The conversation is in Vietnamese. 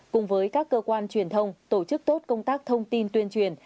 cùng với các cơ quan truyền thông tổ chức tốt công tác thông tin tuyên truyền